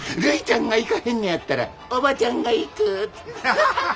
「るいちゃんが行かへんのやったらおばちゃんが行く！」。